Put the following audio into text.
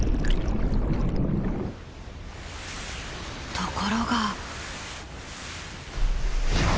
ところが。